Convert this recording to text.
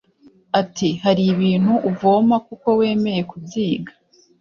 Ati “Hari ibintu uvoma kuko wemeye kubyiga